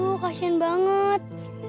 aduh kasian banget